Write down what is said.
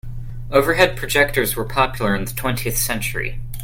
Overhead projectors were popular in the twentieth century.